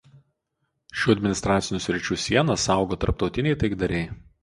Šių administracinių sričių sieną saugo tarptautiniai taikdariai.